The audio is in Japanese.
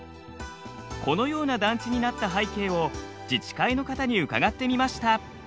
このような団地になった背景を自治会の方に伺ってみました。